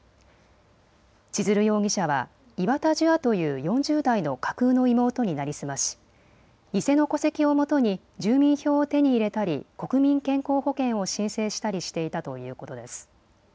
千鶴容疑者は岩田樹亞という４０代の架空の妹に成り済まし偽の戸籍をもとに住民票を手に入れたり、国民健康保険を申請したりしていたということです。